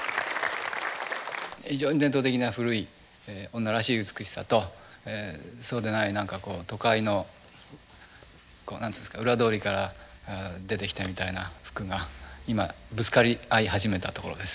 非常に伝統的な古い女らしい美しさとそうでない都会の裏通りから出てきたみたいな服が今ぶつかり合い始めたところです。